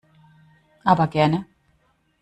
Aber gerne!